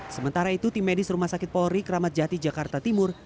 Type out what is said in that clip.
sementara itu tim medis rumah sakit polri kramat jati jakarta timur